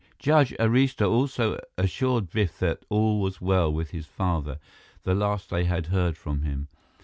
Judge Arista also assured Biff that all was well with his father, the last they had heard from him.